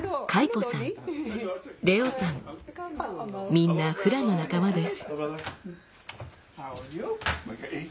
みんなフラの仲間です。